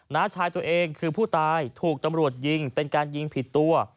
น้าชายตัวเองคือผู้ตายถูกตำรวจยิงเป็นการยิงผิดตัว